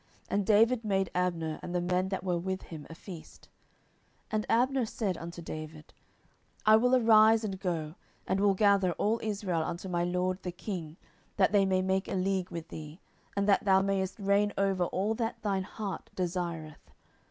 And David made Abner and the men that were with him a feast. 10:003:021 And Abner said unto David, I will arise and go, and will gather all Israel unto my lord the king, that they may make a league with thee, and that thou mayest reign over all that thine heart desireth.